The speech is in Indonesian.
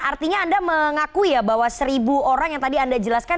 artinya anda mengakui ya bahwa seribu orang yang tadi anda jelaskan